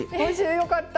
よかった。